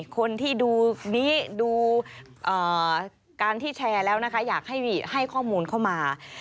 คนที่ดูนี้ดูการที่แชร์แล้วนะคะอยากให้ข้อมูลเข้ามา